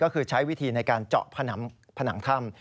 ก็คือใช้วิธีในการเจาะผนังถ้ำ